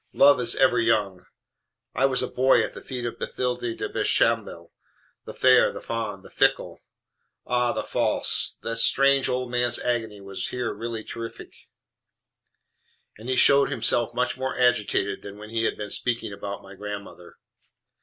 Love is ever young. I was a boy at the little feet of Bathilde de Bechamel the fair, the fond, the fickle, ah, the false!" The strange old man's agony was here really terrific, and he showed himself much more agitated than when he had been speaking about my gr ndm th r.